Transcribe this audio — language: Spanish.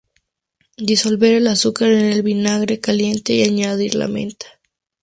Disolver el azúcar en el vinagre caliente y añadir la menta.